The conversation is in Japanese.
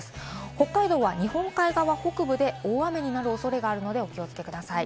北海道は日本海側、北部で大雨になる恐れがあるのでご注意ください。